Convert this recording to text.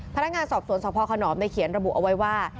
พนักงานสอบสวนสพขนอมเขียนระบุเอาไว้ว่า